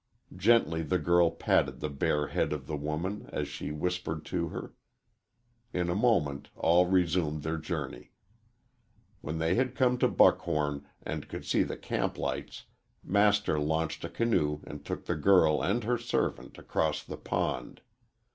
Gently the girl patted the bare head of the woman as she whispered to her. In a moment all resumed their journey. When they had come to Buckhom and could see the camp lights, Master launched a canoe and took the girl and her servant across the pond.